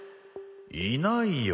いないよ。